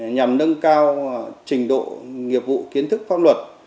nhằm nâng cao trình độ nghiệp vụ kiến thức pháp luật